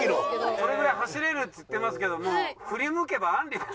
それぐらい走れるっつってますけども振り向けばあんりですからね。